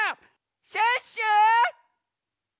シュッシュ！